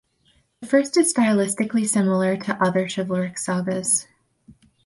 The first is stylistically similar to other chivalric sagas.